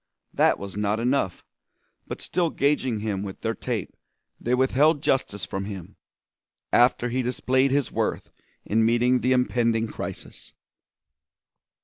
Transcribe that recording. That was not enough, but still gaging him with their tape they withheld justice from him, after he displayed his worth in meeting the impending crisis.